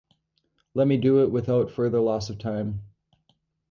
Let me do it without further loss of time.